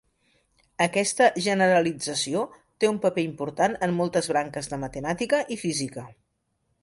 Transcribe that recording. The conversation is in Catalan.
Aquesta generalització té un paper important en moltes branques de matemàtica i física.